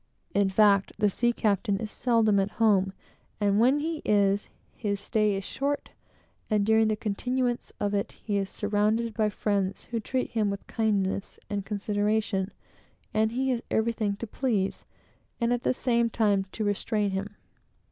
In fact, the sea captain is seldom at home, and when he is, his stay is short, and during the continuance of it he is surrounded by friends who treat him with kindness and consideration, and he has everything to please, and at the same time to restrain him.